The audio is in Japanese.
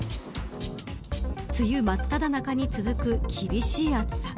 梅雨まっただ中に続く厳しい暑さ。